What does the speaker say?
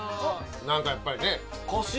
なんかやっぱりね。